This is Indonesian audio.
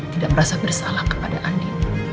tidak merasa bersalah kepada andi